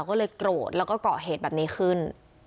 ก็เลยโกรธแล้วก็เกาะเหตุแบบนี้ขึ้น